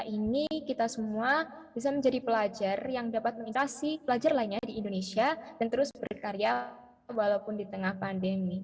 ini kita semua bisa menjadi pelajar yang dapat melintasi pelajar lainnya di indonesia dan terus berkarya walaupun di tengah pandemi